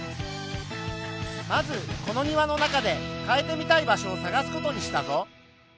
まずこの庭の中で変えてみたい場所をさがす事にしたぞ！